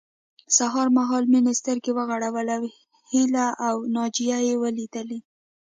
سهار مهال مينې سترګې وغړولې او هيله او ناجيه يې وليدلې